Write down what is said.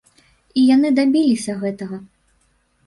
І яны дабіліся гэтага.